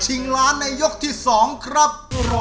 ล้านในยกที่๒ครับ